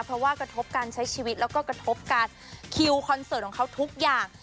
เพราะว่ากระทบการใช้ชีวิตแล้วก็กระทบการคิวคอนเสิร์ตของเขาทุกอย่าง